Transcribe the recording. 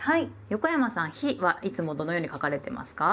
横山さん「日」はいつもどのように書かれてますか？